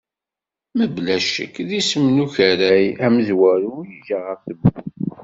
Mebla ccek, d isem n ukerray amezwaru i yeǧǧa ɣef tewwurt.